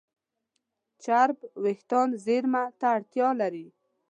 چرب وېښتيان زېرمه ته اړتیا لري.